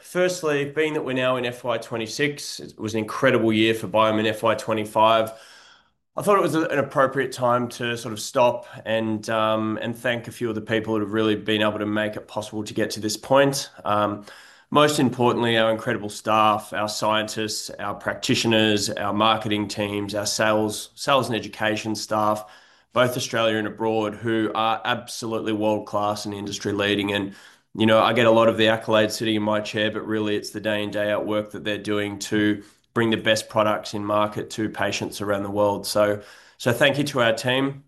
Firstly, being that we're now in FY 2026, it was an incredible year for Biome Australia in FY 2025. I thought it was an appropriate time to stop and thank a few of the people that have really been able to make it possible to get to this point. Most importantly, our incredible staff, our scientists, our practitioners, our marketing teams, our sales and education staff, both Australia and abroad, who are absolutely world-class and industry-leading. I get a lot of the accolades sitting in my chair, but really it's the day in, day out work that they're doing to bring the best products in market to patients around the world. Thank you to our team.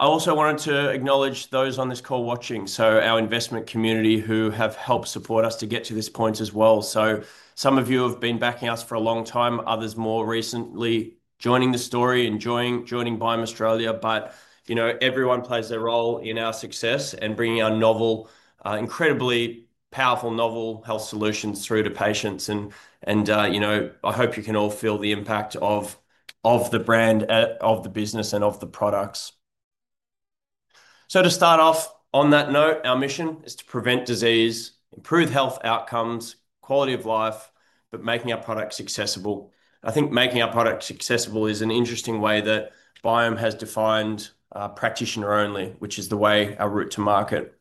I also wanted to acknowledge those on this call watching, our investment community who have helped support us to get to this point as well. Some of you have been backing us for a long time, others more recently joining the story and joining Biome Australia. Everyone plays a role in our success and bringing our incredibly powerful novel health solutions through to patients. I hope you can all feel the impact of the brand, of the business, and of the products. To start off on that note, our mission is to prevent disease, improve health outcomes, quality of life, but making our products accessible. I think making our products accessible is an interesting way that Biome Australia has defined practitioner-only, which is the way our route to market.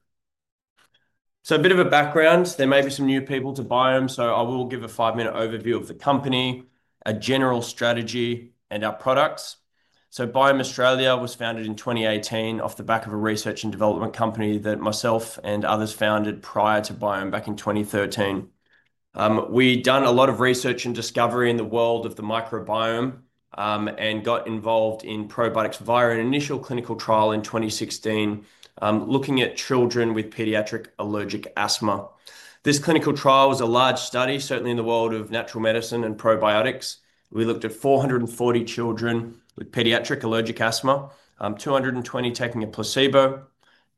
A bit of a background, there may be some new people to Biome Australia, so I will give a five-minute overview of the company, a general strategy, and our products. Biome Australia was founded in 2018 off the back of a research and development company that myself and others founded prior to Biome Australia back in 2013. We'd done a lot of research and discovery in the world of the microbiome and got involved in probiotics via an initial clinical trial in 2016, looking at children with pediatric allergic asthma. This clinical trial was a large study, certainly in the world of natural medicine and probiotics. We looked at 440 children with pediatric allergic asthma, 220 taking a placebo,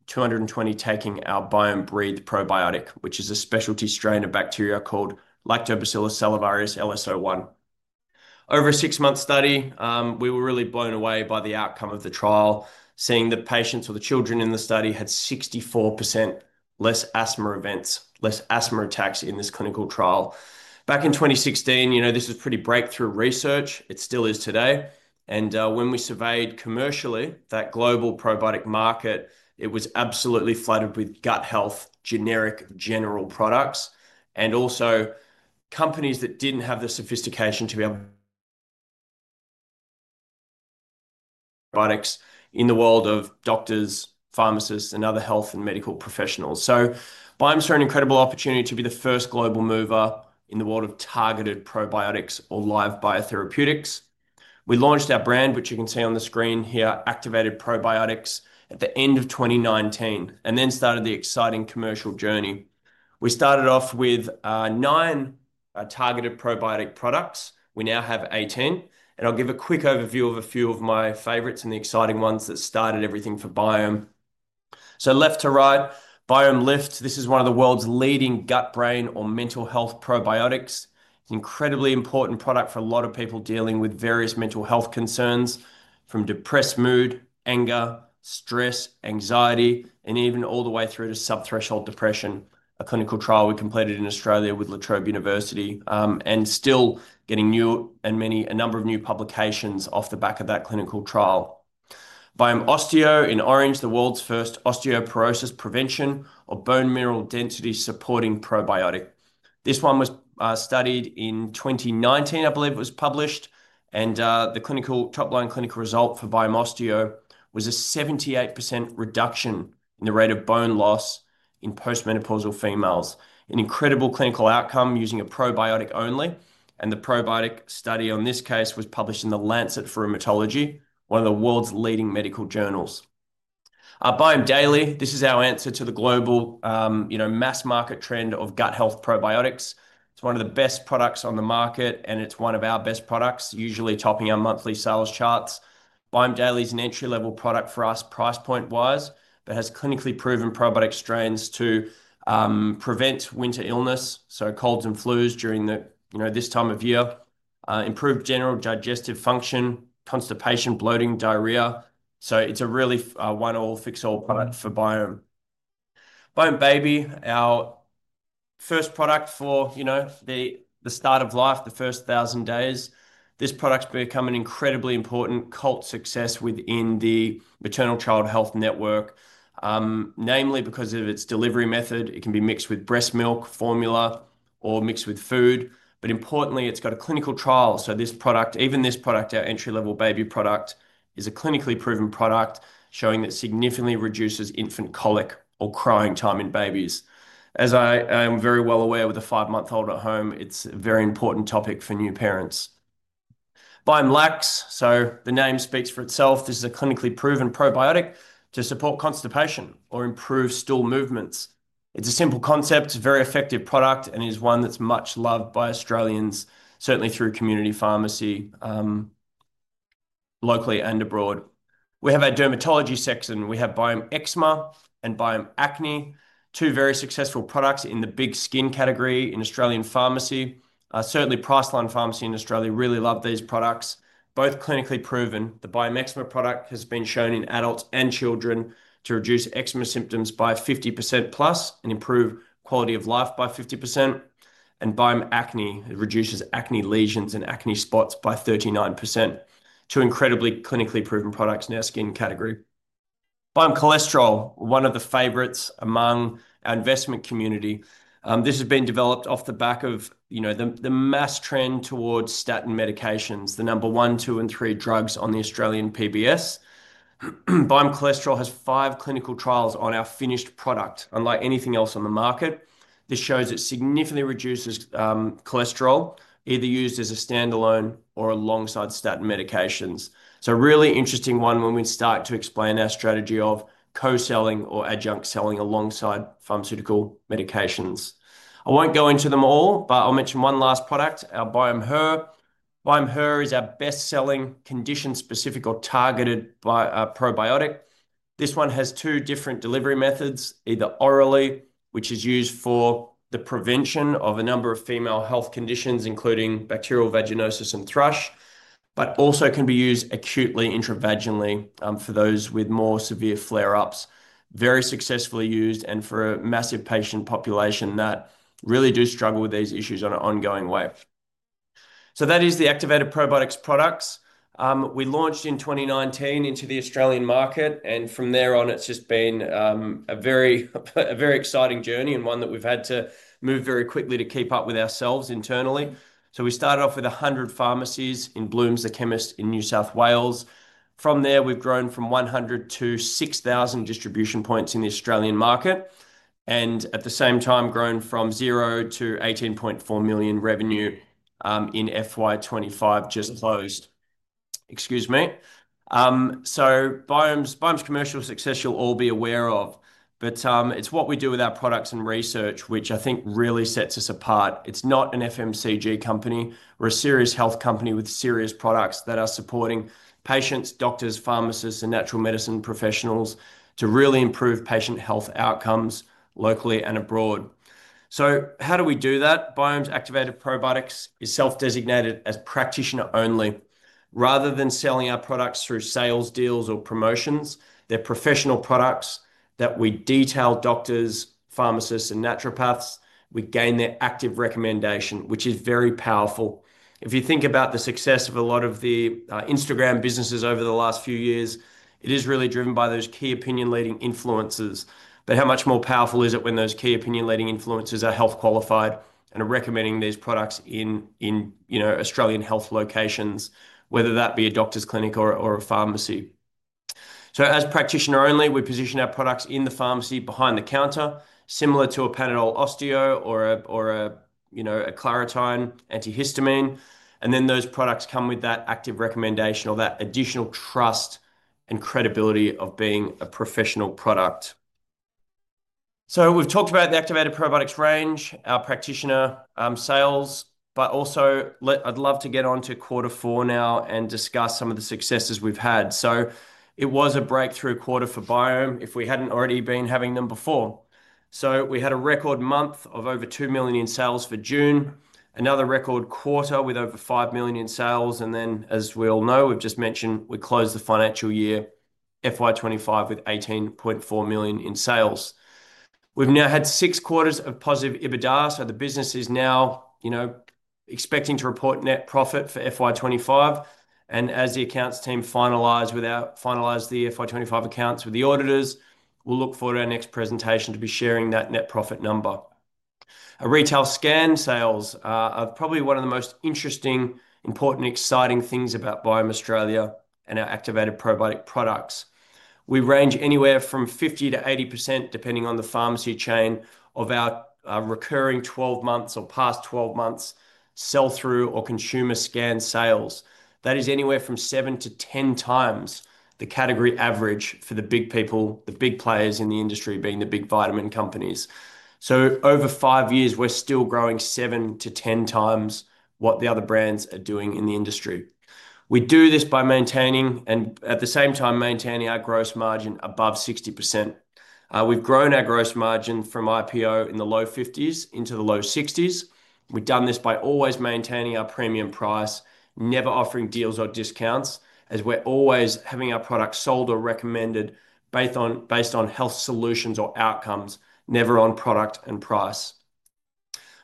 220 taking our Biome Breathe probiotic, which is a specialty strain of bacteria called Lactobacillus salivarius LSO1. Over a six-month study, we were really blown away by the outcome of the trial, seeing the patients or the children in the study had 64% less asthma events, less asthma attacks in this clinical trial. Back in 2016, you know, this was pretty breakthrough research. It still is today. When we surveyed commercially that global probiotic market, it was absolutely flooded with gut health, generic general products, and also companies that didn't have the sophistication to be able to in the world of doctors, pharmacists, and other health and medical professionals. Biome saw an incredible opportunity to be the first global mover in the world of targeted probiotics or live biotherapeutics. We launched our brand, which you can see on the screen here, Activated Probiotics, at the end of 2019, and then started the exciting commercial journey. We started off with nine targeted probiotic products. We now have 18. I'll give a quick overview of a few of my favorites and the exciting ones that started everything for Biome. Left to right, Biome Lyft. This is one of the world's leading gut-brain or mental health probiotics. An incredibly important product for a lot of people dealing with various mental health concerns, from depressed mood, anger, stress, anxiety, and even all the way through to subthreshold depression. A clinical trial we completed in Australia with La Trobe University, and still getting a number of new publications off the back of that clinical trial. Biome Osteo in orange, the world's first osteoporosis prevention or bone mineral density supporting probiotic. This one was studied in 2019, I believe it was published, and the top-line clinical result for Biome Osteo was a 78% reduction in the rate of bone loss in postmenopausal females. An incredible clinical outcome using a probiotic only. The probiotic study in this case was published in The Lancet for Rheumatology, one of the world's leading medical journals. Biome Daily, this is our answer to the global, you know, mass market trend of gut health probiotics. It's one of the best products on the market, and it's one of our best products, usually topping our monthly sales charts. Biome Daily is an entry-level product for us price point-wise, but has clinically proven probiotic strains to prevent winter illness, so colds and flus during this time of year, improve general digestive function, constipation, bloating, diarrhea. It's a really one-all fix-all product for Biome. Biome Baby, our first product for, you know, the start of life, the first thousand days. This product's become an incredibly important cult success within the Maternal Child Health Network, namely because of its delivery method. It can be mixed with breast milk, formula, or mixed with food. Importantly, it's got a clinical trial. This product, even this product, our entry-level baby product, is a clinically proven product showing that it significantly reduces infant colic or crying time in babies. As I am very well aware with a five-month-old at home, it's a very important topic for new parents. Biome Lax, so the name speaks for itself. This is a clinically proven probiotic to support constipation or improve stool movements. It's a simple concept, it's a very effective product, and it is one that's much loved by Australians, certainly through community pharmacy locally and abroad. We have our dermatology section. We have Biome Eczema and Biome Acne, two very successful products in the big skin category in Australian pharmacy. Certainly, Priceline Pharmacy in Australia really loved these products, both clinically proven. The Biome Eczema product has been shown in adults and children to reduce eczema symptoms by 50%+ and improve quality of life by 50%. Biome Acne reduces acne lesions and acne spots by 39%. Two incredibly clinically proven products in our skin category. Biome Cholesterol, one of the favorites among our investment community. This has been developed off the back of the mass trend towards statin medications, the number one, two, and three drugs on the Australian PBS. Biome Cholesterol has five clinical trials on our finished product. Unlike anything else on the market, this shows it significantly reduces cholesterol either used as a standalone or alongside statin medications. A really interesting one when we start to explain our strategy of co-selling or adjunct selling alongside pharmaceutical medications. I won't go into them all, but I'll mention one last product, our Biome Her. Biome Her is our best-selling condition-specific or targeted probiotic. This one has two different delivery methods, either orally, which is used for the prevention of a number of female health conditions, including bacterial vaginosis and thrush, but also can be used acutely intravaginally for those with more severe flare-ups. Very successfully used and for a massive patient population that really do struggle with these issues in an ongoing way. That is the Activated Probiotics products. We launched in 2019 into the Australian market, and from there on, it's just been a very exciting journey and one that we've had to move very quickly to keep up with ourselves internally. We started off with 100 pharmacies in Bloom's The Chemist in New South Wales. From there, we've grown from 100 to 6,000 distribution points in the Australian market, and at the same time, grown from 0-$18.4 million revenue in FY 2025, just closed. Excuse me. Biome's commercial success you'll all be aware of, but it's what we do with our products and research, which I think really sets us apart. It's not an FMCG company. We're a serious health company with serious products that are supporting patients, doctors, pharmacists, and natural medicine professionals to really improve patient health outcomes locally and abroad. How do we do that? Biome's Activated Probiotics is self-designated as practitioner only. Rather than selling our products through sales deals or promotions, they're professional products that we detail doctors, pharmacists, and naturopaths. We gain their active recommendation, which is very powerful. If you think about the success of a lot of the Instagram businesses over the last few years, it is really driven by those key opinion-leading influencers. How much more powerful is it when those key opinion-leading influencers are health qualified and are recommending these products in, you know, Australian health locations, whether that be a doctor's clinic or a pharmacy? As practitioner only, we position our products in the pharmacy behind the counter, similar to a Panadol Osteo or a, you know, a Claritin antihistamine. Those products come with that active recommendation or that additional trust and credibility of being a professional product. We've talked about the Activated Probiotics range, our practitioner sales, but also I'd love to get on to quarter four now and discuss some of the successes we've had. It was a breakthrough quarter for Biome if we hadn't already been having them before. We had a record month of over $2 million in sales for June, another record quarter with over $5 million in sales. As we all know, we've just mentioned we closed the financial year FY 2025 with $18.4 million in sales. We've now had six quarters of positive EBITDA, so the business is now, you know, expecting to report net profit for FY 2025. As the accounts team finalize the FY 2025 accounts with the auditors, we'll look forward to our next presentation to be sharing that net profit number. Our retail scan sales are probably one of the most interesting, important, exciting things about Biome Australia and our Activated Probiotics products. We range anywhere from 50% -80% depending on the pharmacy chain of our recurring 12 months or past 12 months sell-through or consumer scan sales. That is anywhere from seven to ten times the category average for the big people, the big players in the industry being the big vitamin companies. Over five years, we're still growing seven to ten times what the other brands are doing in the industry. We do this by maintaining, and at the same time, maintaining our gross margin above 60%. We've grown our gross margin from IPO in the low 50% into the low 60%. We've done this by always maintaining our premium price, never offering deals or discounts, as we're always having our products sold or recommended based on health solutions or outcomes, never on product and price.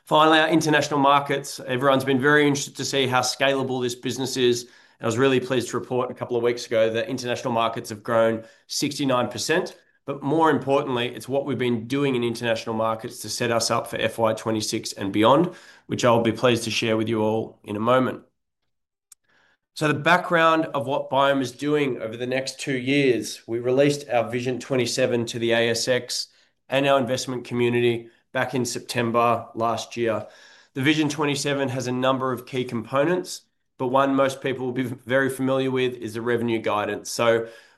Finally, our international markets, everyone's been very interested to see how scalable this business is. I was really pleased to report a couple of weeks ago that international markets have grown 69%. More importantly, it's what we've been doing in international markets to set us up for FY 2026 and beyond, which I'll be pleased to share with you all in a moment. The background of what Biome is doing over the next two years, we released our Vision 2027 to the ASX and our investment community back in September last year. The Vision 2027 has a number of key components, but one most people will be very familiar with is the revenue guidance.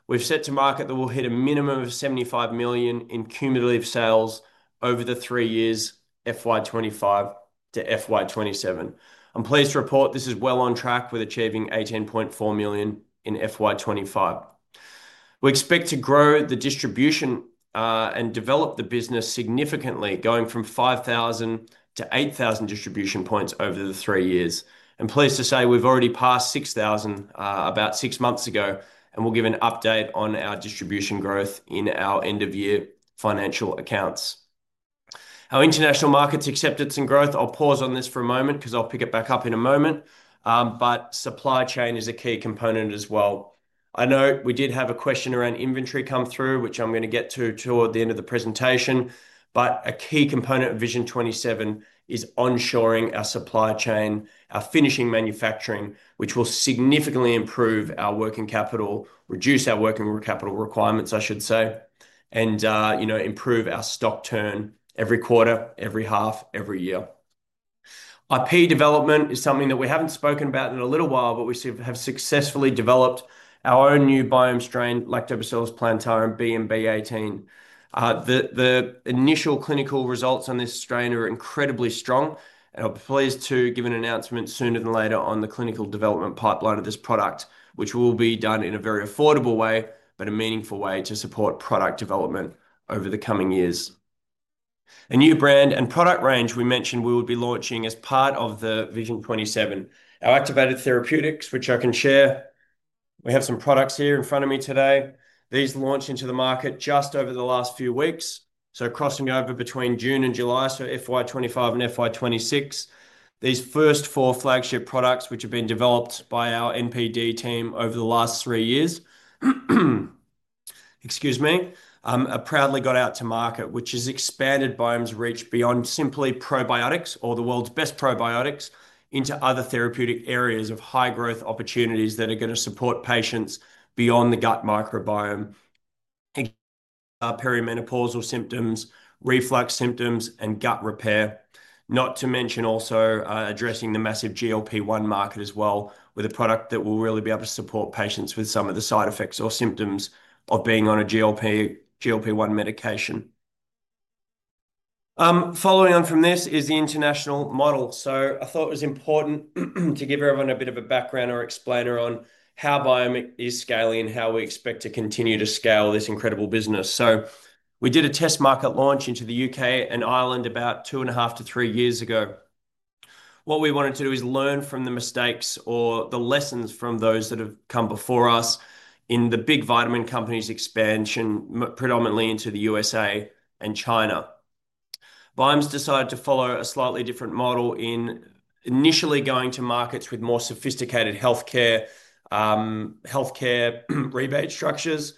We've set to market that we'll hit a minimum of $75 million in cumulative sales over the three years, FY 2025 to FY 2027. I'm pleased to report this is well on track with achieving $18.4 million in FY 2025. We expect to grow the distribution and develop the business significantly, going from 5,000 to 8,000 distribution points over the three years. I'm pleased to say we've already passed 6,000 about six months ago, and we'll give an update on our distribution growth in our end-of-year financial accounts. Our international markets accepted some growth. I'll pause on this for a moment because I'll pick it back up in a moment. Supply chain is a key component as well. I know we did have a question around inventory come through, which I'm going to get to toward the end of the presentation. A key component of Vision 2027 is onshoring our supply chain, our finishing manufacturing, which will significantly improve our working capital, reduce our working capital requirements, I should say, and improve our stock turn every quarter, every half, every year. IP development is something that we haven't spoken about in a little while, but we have successfully developed our own new Biome strain, Lactobacillus plantarum BMB18. The initial clinical results on this strain are incredibly strong, and I'll be pleased to give an announcement sooner than later on the clinical development pipeline of this product, which will be done in a very affordable way, but a meaningful way to support product development over the coming years. A new brand and product range we mentioned we will be launching as part of the Vision 2027, our Activated Therapeutics, which I can share. We have some products here in front of me today. These launched into the market just over the last few weeks, crossing over between June and July, so FY 2025 and FY 2026, these first four flagship products which have been developed by our NPD team over the last three years proudly got out to market, which has expanded Biome Australia's reach beyond simply probiotics or the world's best probiotics into other therapeutic areas of high growth opportunities that are going to support patients beyond the gut microbiome, perimenopausal symptoms, reflux symptoms, and gut repair. Not to mention also addressing the massive GLP-1 market as well with a product that will really be able to support patients with some of the side effects or symptoms of being on a GLP-1 medication. Following on from this is the international model. I thought it was important to give everyone a bit of a background or explainer on how Biome Australia is scaling and how we expect to continue to scale this incredible business. We did a test market launch into the U.K. and Ireland about two and a half to three years ago. What we wanted to do is learn from the mistakes or the lessons from those that have come before us in the big vitamin companies' expansion, predominantly into the U.S.A. and China. Biome Australia has decided to follow a slightly different model in initially going to markets with more sophisticated healthcare rebate structures.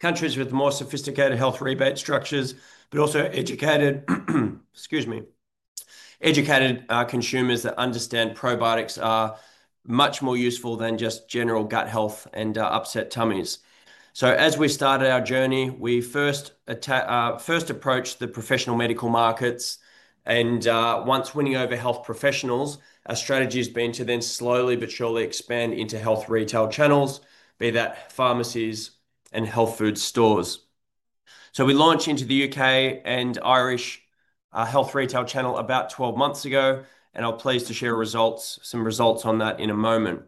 Countries with more sophisticated health rebate structures, but also educated consumers that understand probiotics are much more useful than just general gut health and upset tummies. As we started our journey, we first approached the professional medical markets. Once winning over health professionals, our strategy has been to then slowly but surely expand into health retail channels, be that pharmacies and health food stores. We launched into the U.K. and Irish health retail channel about 12 months ago, and I'm pleased to share some results on that in a moment.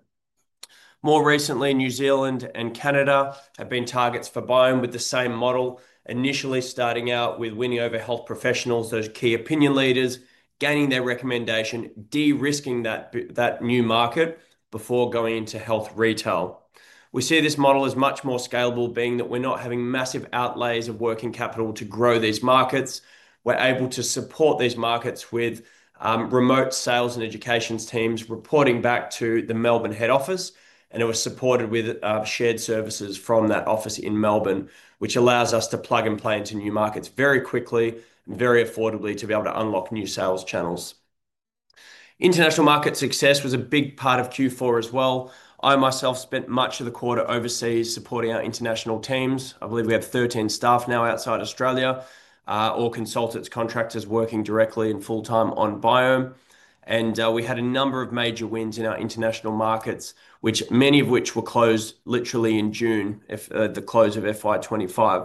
More recently, New Zealand and Canada have been targets for Biome Australia with the same model, initially starting out with winning over health professionals as key opinion leaders, gaining their recommendation, de-risking that new market before going into health retail. We see this model as much more scalable, being that we're not having massive outlays of working capital to grow these markets. We're able to support these markets with remote sales and education teams reporting back to the Melbourne head office, and it was supported with shared services from that office in Melbourne, which allows us to plug and play into new markets very quickly and very affordably to be able to unlock new sales channels. International market success was a big part of Q4 as well. I myself spent much of the quarter overseas supporting our international teams. I believe we have 13 staff now outside Australia, all consultants, contractors working directly and full-time on Biome Australia. We had a number of major wins in our international markets, many of which were closed literally in June, the close of FY 2025.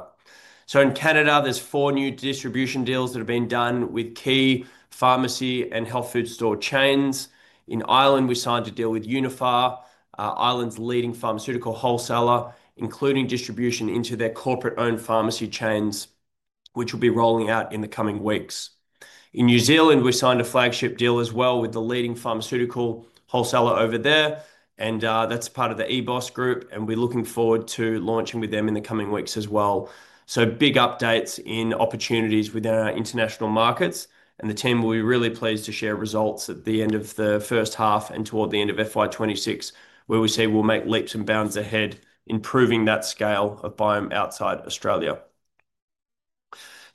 In Canada, there are four new distribution deals that have been done with key pharmacy and health food store chains. In Ireland, we signed a deal with Uniphar, Ireland's leading pharmaceutical wholesaler, including distribution into their corporate-owned pharmacy chains, which will be rolling out in the coming weeks. In New Zealand, we signed a flagship deal as well with the leading pharmaceutical wholesaler over there, and that's part of the EBOS Group, and we're looking forward to launching with them in the coming weeks as well. Big updates in opportunities within our international markets, and the team will be really pleased to share results at the end of the first half and toward the end of FY 2026, where we see we'll make leaps and bounds ahead, improving that scale of Biome Australia outside Australia.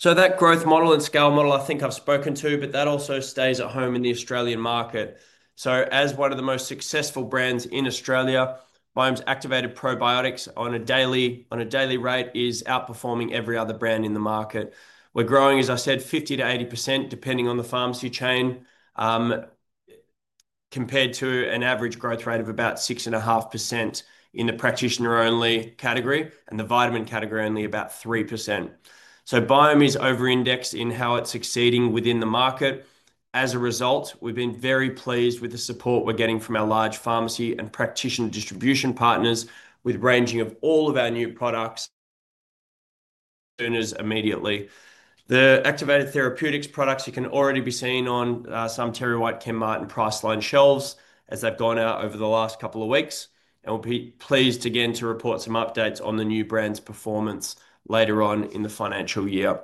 That growth model and scale model, I think I've spoken to, but that also stays at home in the Australian market. As one of the most successful brands in Australia, Biome's Activated Probiotics on a daily rate is outperforming every other brand in the market. We're growing, as I said, 50%-80% depending on the pharmacy chain, compared to an average growth rate of about 6.5% in the practitioner-only category and the vitamin category only about 3%. Biome is over-indexed in how it's succeeding within the market. As a result, we've been very pleased with the support we're getting from our large pharmacy and practitioner distribution partners, with ranging of all of our new products immediately. The Activated Therapeutics products can already be seen on some TerryWhite Chemmart and Priceline Pharmacy shelves as they've gone out over the last couple of weeks, and we'll be pleased again to report some updates on the new brand's performance later on in the financial year.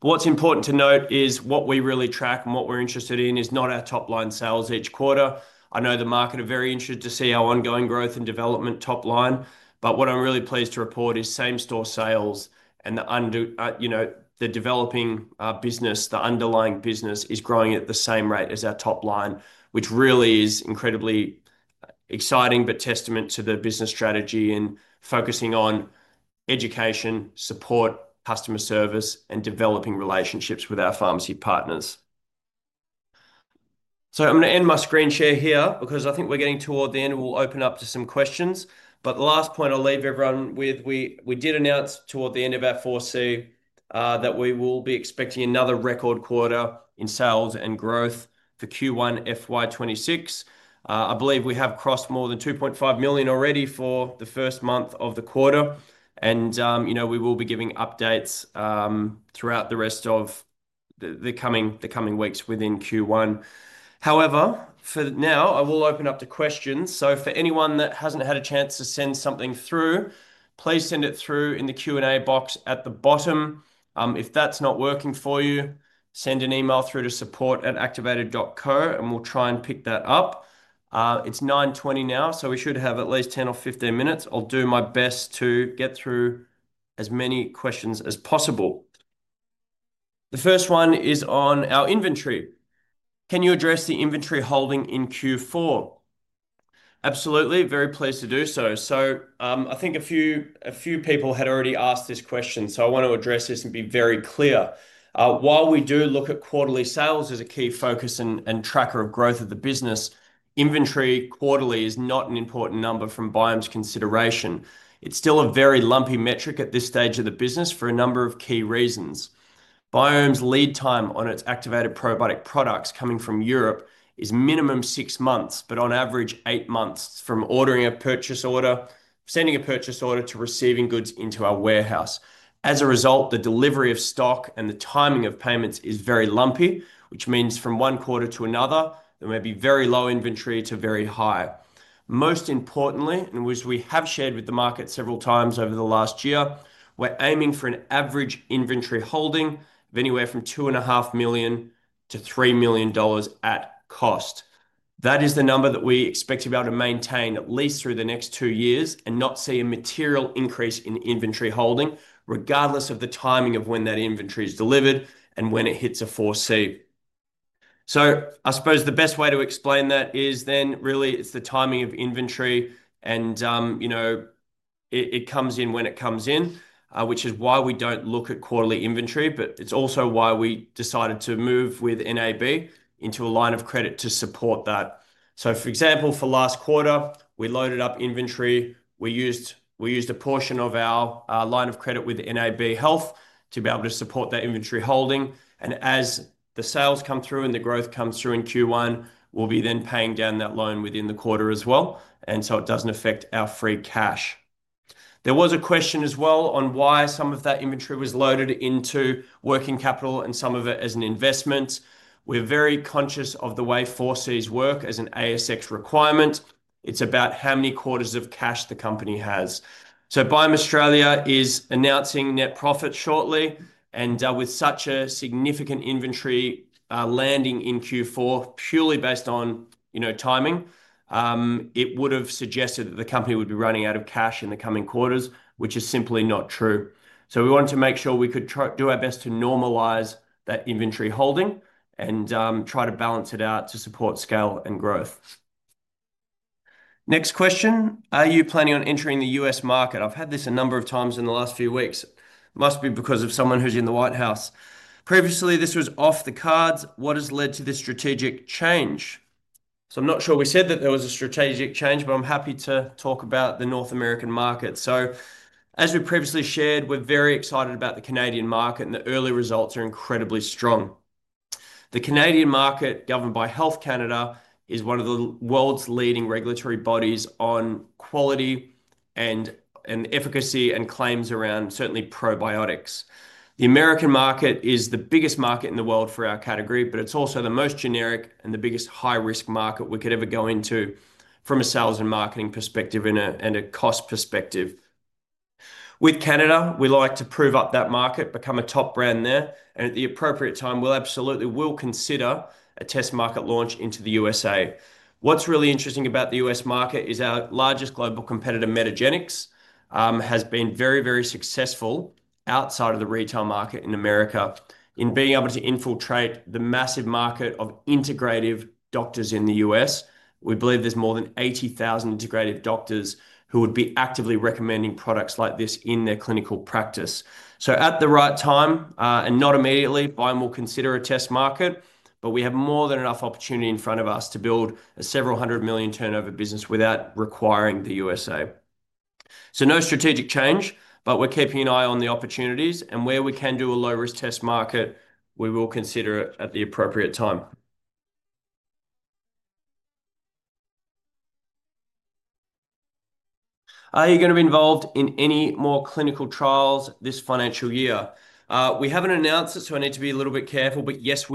What's important to note is what we really track and what we're interested in is not our top-line sales each quarter. I know the market are very interested to see our ongoing growth and development top line, but what I'm really pleased to report is same-store sales and the developing business, the underlying business is growing at the same rate as our top line, which really is incredibly exciting and testament to the business strategy in focusing on education, support, customer service, and developing relationships with our pharmacy partners. I'm going to end my screen share here because I think we're getting toward the end and we'll open up to some questions. The last point I'll leave everyone with, we did announce toward the end of FY 2024 that we will be expecting another record quarter in sales and growth for Q1 FY 2026. I believe we have crossed more than $2.5 million already for the first month of the quarter, and we will be giving updates throughout the rest of the coming weeks within Q1. For now, I will open up to questions. For anyone that hasn't had a chance to send something through, please send it through in the Q&A box at the bottom. If that's not working for you, send an email through to support@activated.co, and we'll try and pick that up. It's 9:20 A.M. now, so we should have at least 10 or 15 minutes. I'll do my best to get through as many questions as possible. The first one is on our inventory. Can you address the inventory holding in Q4? Absolutely, very pleased to do so. I think a few people had already asked this question, so I want to address this and be very clear. While we do look at quarterly sales as a key focus and tracker of growth of the business, inventory quarterly is not an important number from Biome Australia's consideration. It's still a very lumpy metric at this stage of the business for a number of key reasons. Biome Australia's lead time on its Activated Probiotics products coming from Europe is minimum six months, but on average eight months from ordering a purchase order, sending a purchase order to receiving goods into our warehouse. As a result, the delivery of stock and the timing of payments is very lumpy, which means from one quarter to another, there may be very low inventory to very high. Most importantly, and as we have shared with the market several times over the last year, we're aiming for an average inventory holding of anywhere from $2.5 million-$3 million at cost. That is the number that we expect to be able to maintain at least through the next two years and not see a material increase in inventory holding, regardless of the timing of when that inventory is delivered and when it hits a 4C. I suppose the best way to explain that is then really it's the timing of inventory, and you know it comes in when it comes in, which is why we don't look at quarterly inventory, but it's also why we decided to move with NAB into a line of credit to support that. For example, for last quarter, we loaded up inventory. We used a portion of our line of credit with NAB Health to be able to support that inventory holding. As the sales come through and the growth comes through in Q1, we'll be then paying down that loan within the quarter as well, and it doesn't affect our free cash. There was a question as well on why some of that inventory was loaded into working capital and some of it as an investment. We're very conscious of the way 4Cs work as an ASX requirement. It's about how many quarters of cash the company has. Biome Australia is announcing net profit shortly, and with such a significant inventory landing in Q4, purely based on timing, it would have suggested that the company would be running out of cash in the coming quarters, which is simply not true. We wanted to make sure we could do our best to normalize that inventory holding and try to balance it out to support scale and growth. Next question, are you planning on entering the U.S. market? I've had this a number of times in the last few weeks. Must be because of someone who's in the White House. Previously, this was off the cards. What has led to this strategic change? I'm not sure we said that there was a strategic change, but I'm happy to talk about the North American market. As we previously shared, we're very excited about the Canadian market, and the early results are incredibly strong. The Canadian market, governed by Health Canada, is one of the world's leading regulatory bodies on quality and efficacy and claims around certainly probiotics. The American market is the biggest market in the world for our category, but it's also the most generic and the biggest high-risk market we could ever go into from a sales and marketing perspective and a cost perspective. With Canada, we like to prove up that market, become a top brand there, and at the appropriate time, we absolutely will consider a test market launch into the U.S.A. What's really interesting about the U.S. market is our largest global competitor, Metagenics, has been very, very successful outside of the retail market in America in being able to infiltrate the massive market of integrative doctors in the U.S. We believe there's more than 80,000 integrative doctors who would be actively recommending products like this in their clinical practice. At the right time, and not immediately, Biome Australia will consider a test market, but we have more than enough opportunity in front of us to build a several hundred million turnover business without requiring the U.S.A. No strategic change, but we're keeping an eye on the opportunities, and where we can do a low-risk test market, we will consider it at the appropriate time. Are you going to be involved in any more clinical trials this financial year? We haven't announced it, so I need to be a little bit careful, but yes,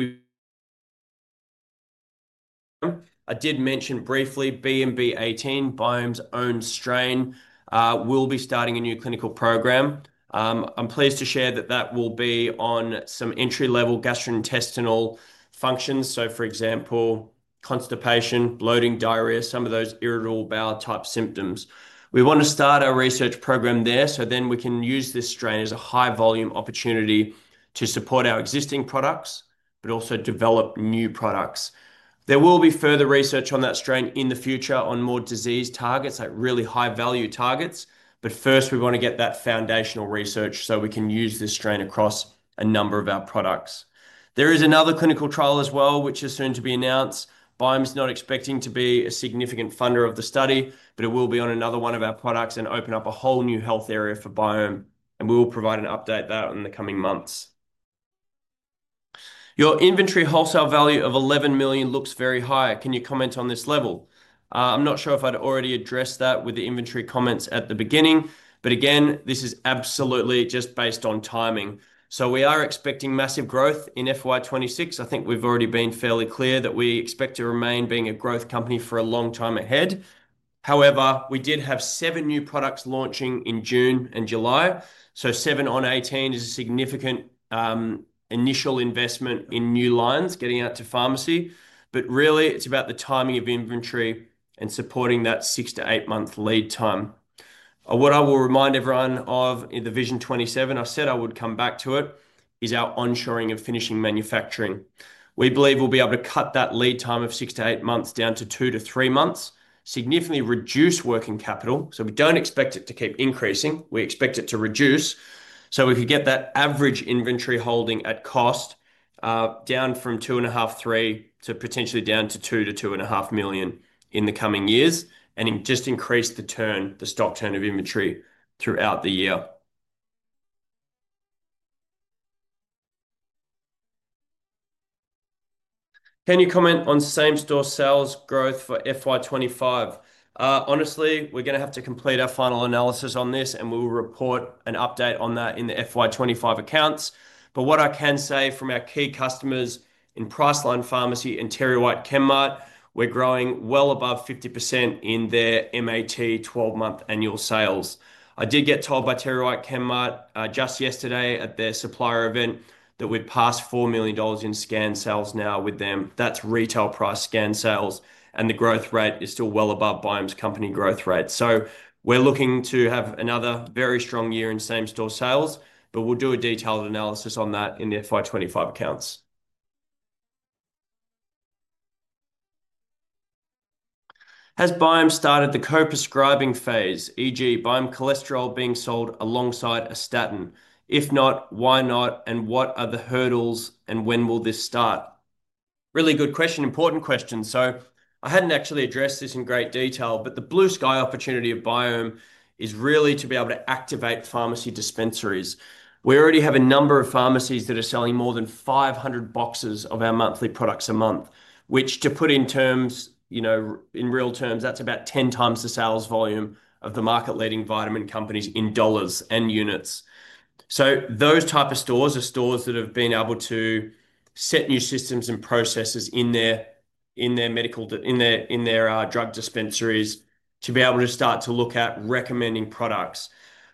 I did mention briefly BMB18, Biome Australia's own strain, will be starting a new clinical program. I'm pleased to share that that will be on some entry-level gastrointestinal functions. For example, constipation, bloating, diarrhea, some of those irritable bowel type symptoms. We want to start our research program there, so then we can use this strain as a high-volume opportunity to support our existing products, but also develop new products. There will be further research on that strain in the future on more disease targets, like really high-value targets, but first we want to get that foundational research so we can use this strain across a number of our products. There is another clinical trial as well, which is soon to be announced. Biome's not expecting to be a significant funder of the study, but it will be on another one of our products and open up a whole new health area for Biome, and we will provide an update on that in the coming months. Your inventory wholesale value of $11 million looks very high. Can you comment on this level? I'm not sure if I'd already addressed that with the inventory comments at the beginning, but again, this is absolutely just based on timing. We are expecting massive growth in FY 2026. I think we've already been fairly clear that we expect to remain being a growth company for a long time ahead. We did have seven new products launching in June and July. Seven on 18 is a significant initial investment in new lines getting out to pharmacy, but really it's about the timing of inventory and supporting that six to eight-month lead time. What I will remind everyone of in the Vision 2027, I said I would come back to it, is our onshoring and finishing manufacturing. We believe we'll be able to cut that lead time of six to eight months down to two to three months, significantly reduce working capital. We don't expect it to keep increasing. We expect it to reduce. We could get that average inventory holding at cost down from $2.5 million to potentially down to $2-$2.5 million in the coming years, and just increase the turn, the stock turn of inventory throughout the year. Can you comment on same-store sales growth for FY 2025? Honestly, we're going to have to complete our final analysis on this, and we'll report an update on that in the FY 2025 accounts. What I can say from our key customers in Priceline Pharmacy and TerryWhite Chemmart, we're growing well above 50% in their MAT 12-month annual sales. I did get told by TerryWhite Chemmart just yesterday at their supplier event that we've passed $4 million in scan sales now with them. That's retail price scan sales, and the growth rate is still well above Biome's company growth rate. We're looking to have another very strong year in same-store sales, but we'll do a detailed analysis on that in the FY 2025 accounts. Has Biome started the co-prescribing phase, e.g., Biome Cholesterol being sold alongside a statin? If not, why not, and what are the hurdles, and when will this start? Really good question, important question. I hadn't actually addressed this in great detail, but the blue sky opportunity of Biome is really to be able to activate pharmacy dispensaries. We already have a number of pharmacies that are selling more than 500 boxes of our monthly products a month, which, to put in real terms, that's about 10 times the sales volume of the market-leading vitamin companies in dollars and units. Those types of stores have been able to set new systems and processes in their medical, in their drug dispensaries to be able to start to look at recommending products.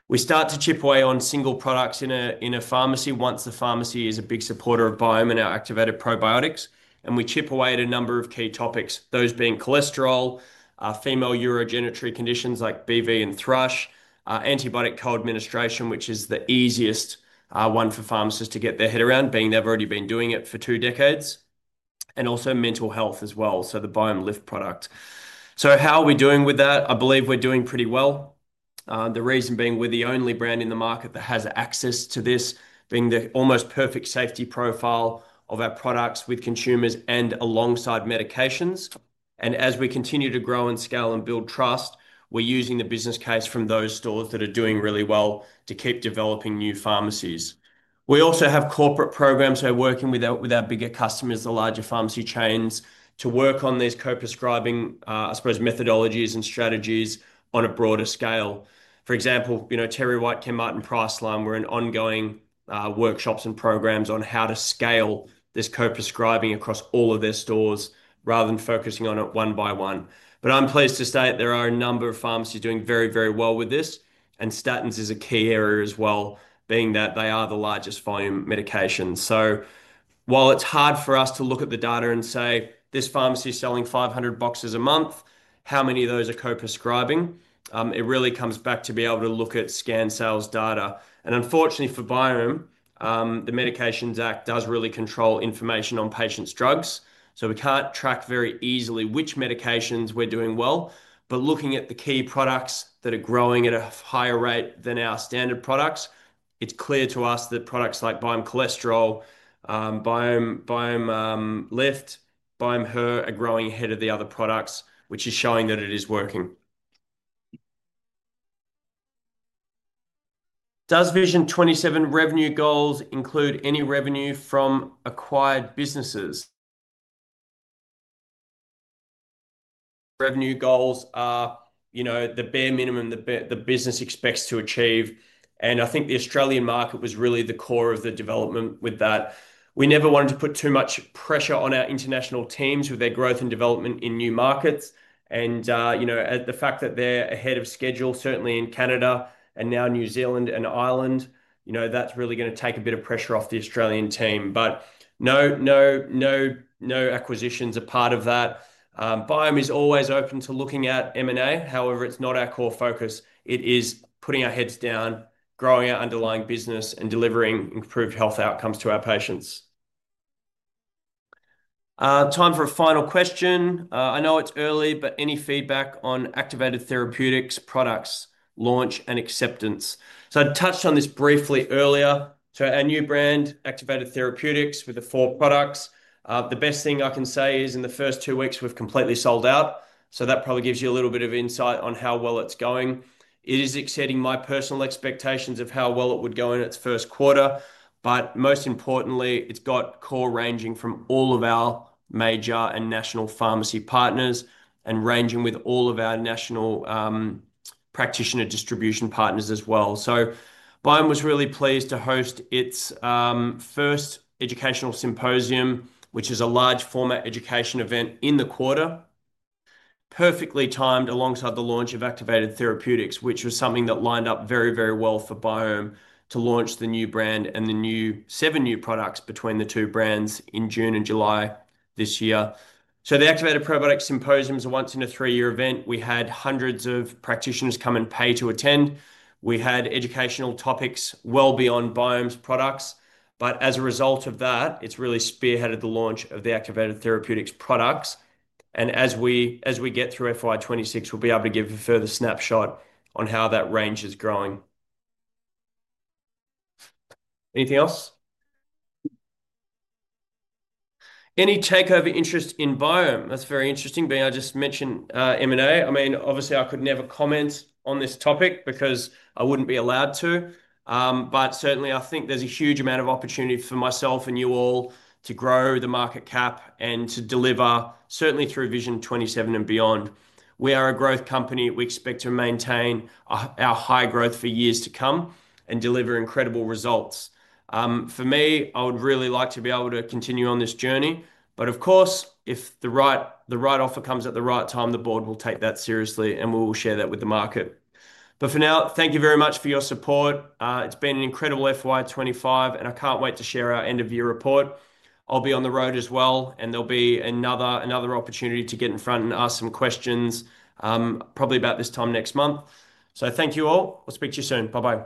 We start to chip away on single products in a pharmacy once the pharmacy is a big supporter of Biome and our Activated Probiotics, and we chip away at a number of key topics, those being cholesterol, female urogenitary conditions like BV and thrush, antibiotic co-administration, which is the easiest one for pharmacists to get their head around, being they've already been doing it for two decades, and also mental health as well, so the Biome Lift product. How are we doing with that? I believe we're doing pretty well. The reason being we're the only brand in the market that has access to this, being the almost perfect safety profile of our products with consumers and alongside medications. As we continue to grow and scale and build trust, we're using the business case from those stores that are doing really well to keep developing new pharmacies. We also have corporate programs working with our bigger customers, the larger pharmacy chains, to work on these co-prescribing, I suppose, methodologies and strategies on a broader scale. For example, TerryWhite Chemmart and Priceline Pharmacy are in ongoing workshops and programs on how to scale this co-prescribing across all of their stores rather than focusing on it one by one. I'm pleased to say that there are a number of pharmacies doing very, very well with this, and statins is a key area as well, being that they are the largest volume medications. While it's hard for us to look at the data and say this pharmacy is selling 500 boxes a month, how many of those are co-prescribing, it really comes back to being able to look at scan sales data. Unfortunately for Biome Australia, the Medications Act does really control information on patients' drugs. We can't track very easily which medications we're doing well. Looking at the key products that are growing at a higher rate than our standard products, it's clear to us that products like Biome Cholesterol, Biome Lift, Biome Her are growing ahead of the other products, which is showing that it is working. Does Vision 2027 revenue goals include any revenue from acquired businesses? Revenue goals are the bare minimum that the business expects to achieve. I think the Australian market was really the core of the development with that. We never wanted to put too much pressure on our international teams with their growth and development in new markets. The fact that they're ahead of schedule, certainly in Canada and now New Zealand and Ireland, that's really going to take a bit of pressure off the Australian team. No acquisitions are part of that. Biome Australia is always open to looking at M&A, however, it's not our core focus. It is putting our heads down, growing our underlying business, and delivering improved health outcomes to our patients. Time for a final question. I know it's early, but any feedback on Activated Therapeutics products launch and acceptance? I touched on this briefly earlier. Our new brand, Activated Therapeutics, with the four products, the best thing I can say is in the first two weeks, we've completely sold out. That probably gives you a little bit of insight on how well it's going. It is exceeding my personal expectations of how well it would go in its first quarter. Most importantly, it's got core ranging from all of our major and national pharmacy partners and ranging with all of our national practitioner distribution partners as well. Biome Australia was really pleased to host its first educational symposium, which is a large format education event in the quarter, perfectly timed alongside the launch of Activated Therapeutics, which was something that lined up very, very well for Biome Australia to launch the new brand and the new seven new products between the two brands in June and July this year. The Activated Probiotics Symposiums are once in a three-year event. We had hundreds of practitioners come and pay to attend. We had educational topics well beyond Biome Australia's products. As a result of that, it's really spearheaded the launch of the Activated Therapeutics products. As we get through FY 2026, we'll be able to give a further snapshot on how that range is growing. Anything else? Any takeover interest in Biome? That's very interesting, being I just mentioned M&A. I mean, obviously, I could never comment on this topic because I wouldn't be allowed to. Certainly, I think there's a huge amount of opportunity for myself and you all to grow the market cap and to deliver, certainly through Vision 2027 and beyond. We are a growth company. We expect to maintain our high growth for years to come and deliver incredible results. For me, I would really like to be able to continue on this journey. Of course, if the right offer comes at the right time, the board will take that seriously, and we'll share that with the market. For now, thank you very much for your support. It's been an incredible FY 2025, and I can't wait to share our end-of-year report. I'll be on the road as well, and there'll be another opportunity to get in front and ask some questions, probably about this time next month. Thank you all. I'll speak to you soon. Bye-bye.